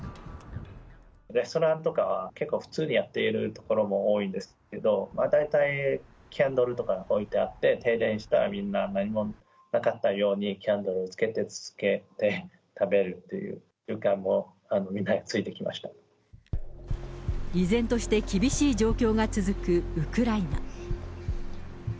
レストランとかは結構普通にやっている所も多いんですけど、大体キャンドルとか置いてあって、停電したらみんな、何もなかったようにキャンドルをつけて食べるっていう習慣もみん依然として厳しい状況が続くウクライナ。